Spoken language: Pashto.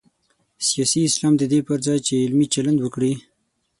سیاسي اسلام د دې پر ځای چې علمي چلند وکړي.